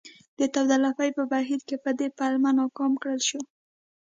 د داوطلبۍ په بهیر کې په دې پلمه ناکام کړل شو.